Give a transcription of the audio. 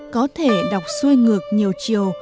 có thể đọc xuôi ngược nhiều chiều